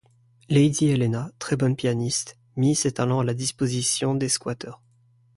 Lady Helena, très-bonne pianiste, mit ses talents à la disposition des squatters.